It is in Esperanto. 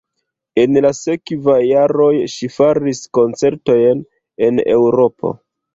En la sekvaj jaroj ŝi faris koncertojn en Eŭropo.